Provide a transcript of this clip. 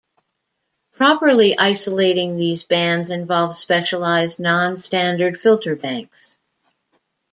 Properly isolating these bands involves specialized non-standard filter banks.